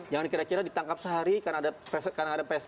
jangan kira kira ditangkap sehari karena ada pssi